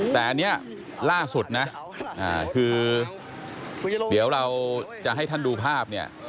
แต่อันนี้ล่าสุดนะคือเดี๋ยวเราจะให้ท่านดูภาพเนี่ย